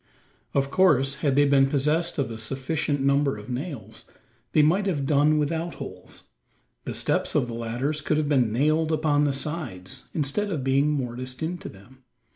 Of course, had they been possessed of a sufficient number of nails, they might have done without holes. The steps of the ladders could have been nailed upon the sides, instead of being mortised into them.